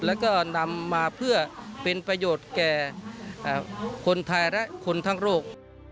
แล้วก็นำมาเพื่อเป็นประโยชน์แก่คนไทยและคนทั้งโรค